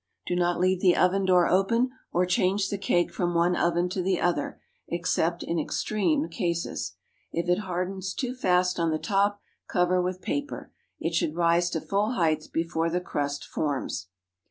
Do not leave the oven door open, or change the cake from one oven to the other, except in extreme cases. If it harden too fast on the top, cover with paper. It should rise to full height before the crust forms.